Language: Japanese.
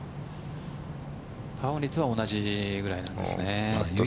パーオン率は同じくらいなんですね。